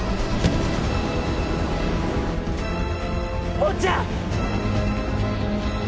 おっちゃん！